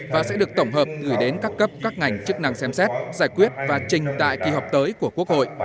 và sẽ được tổng hợp gửi đến các cấp các ngành chức năng xem xét giải quyết và trình tại kỳ họp tới của quốc hội